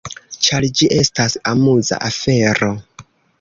Ĉar ĝi estas amuza afero.